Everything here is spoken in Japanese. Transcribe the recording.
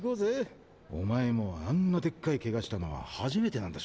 お前もあんなでっかいケガしたのは初めてなんだし。